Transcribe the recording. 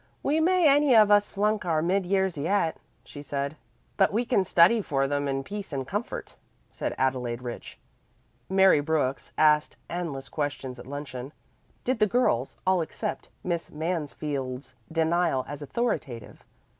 "We may any of us flunk our mid years yet," she said. "But we can study for them in peace and comfort," said Adelaide Rich. Mary Brooks asked endless questions at luncheon. Did the girls all accept Miss Mansfield's denial as authoritative?